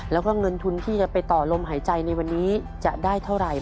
แล้วก็เงินทุนที่จะไปต่อลมหายใจในวันนี้จะได้เท่าไหร่